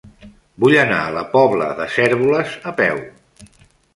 Vull anar a la Pobla de Cérvoles a peu.